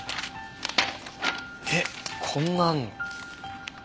えっこんなあるの？